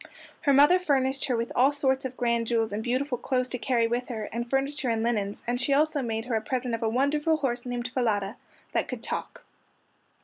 Her mother furnished her with all sorts of grand jewels and beautiful clothes to carry with her, and furniture and linens, and she also made her a present of a wonderful horse named Falada, that could talk.